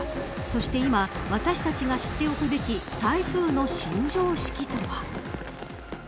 そして今私たちが知っておくべき台風の新常識とは。